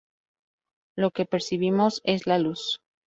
Lo que percibimos es la luz.